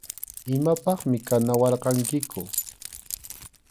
Imapaqmi kanawarqankiku.